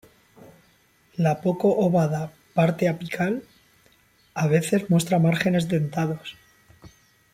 La poco ovada parte apical a veces muestra márgenes dentados.